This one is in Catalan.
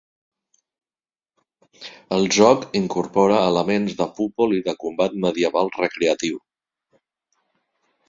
El joc incorpora elements de futbol i de combat medieval recreatiu.